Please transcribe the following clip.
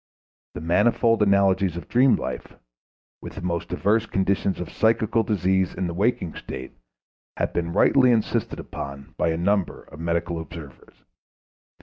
The manifold analogies of dream life with the most diverse conditions of psychical disease in the waking state have been rightly insisted upon by a number of medical observers.